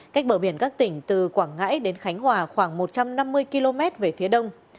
cách bờ biển các tỉnh từ quảng ngãi đến khánh hòa khoảng một trăm năm mươi km về phía đông